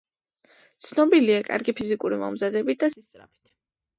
ცნობილია კარგი ფიზიკური მომზადებით და სისწრაფით.